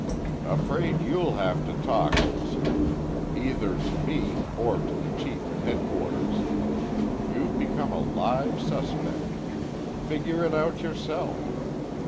"Afraid you'll have to talk, Olson. Either to me or to the Chief at headquarters. You've become a live suspect. Figure it out yourself.